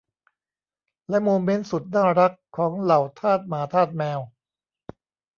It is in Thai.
และโมเมนต์สุดน่ารักของเหล่าทาสหมาทาสแมว